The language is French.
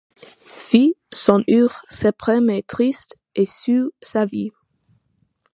Fit son oeuvre suprême et triste, et sous sa vis